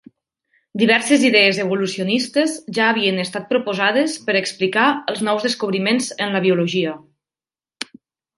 Diverses idees evolucionistes ja havien estat proposades per explicar els nous descobriments en la biologia.